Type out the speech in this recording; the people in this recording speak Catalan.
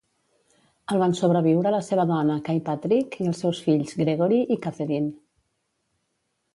El van sobreviure la seva dona Kay Patrick i els seus fills, Gregory i Catherine.